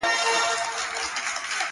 درې څلور يې وه غوايي په طبیله کي.!